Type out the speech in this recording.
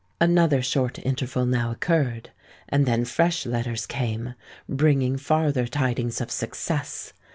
Another short interval now occurred; and then fresh letters came, bringing farther tidings of success.